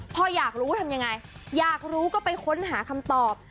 อยากรู้ทำยังไงอยากรู้ก็ไปค้นหาคำตอบ